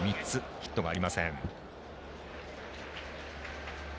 ヒットがありません。